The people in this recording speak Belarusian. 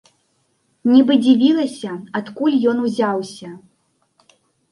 Нібы дзівілася, адкуль ён узяўся.